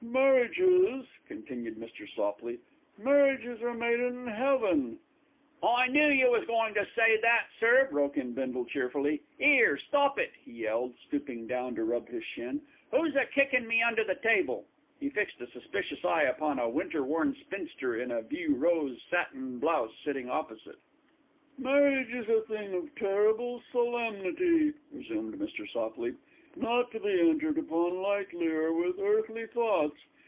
"Marriages," continued Mr. Sopley, "marriages are made in heaven " "I knew you was goin' to say that, sir," broke in Bindle cheerfully. "'Ere, stop it!" he yelled, stooping down to rub his shin. "Who's a kickin' me under the table?" he fixed a suspicious eye upon a winter worn spinster in a vieux rose satin blouse sitting opposite. "Marriage is a thing of terrible solemnity," resumed Mr. Sopley, "not to be entered upon lightly, or with earthly thoughts.